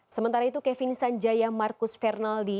sementara itu kevin sanjaya marcus fernaldi